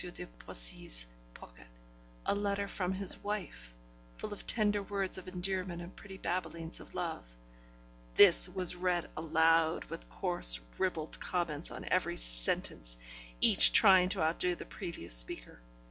de Poissy's pocket a letter from his wife, full of tender words of endearment and pretty babblings of love. This was read aloud, with coarse ribald comments on every sentence, each trying to outdo the previous speaker.